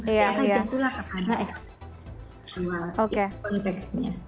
dia akan jatuh kepada eksklusif konteksnya